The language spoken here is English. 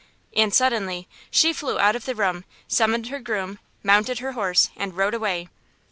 And suddenly she flew out of the room, summoned her groom, mounted her horse, and rode away.